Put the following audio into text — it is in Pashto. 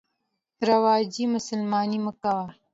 رواجي مسلماني مه کوئ.